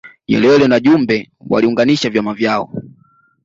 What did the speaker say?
Nyerere na Jumbe waliunganisha vyama vyao